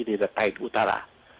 jadi terkait utara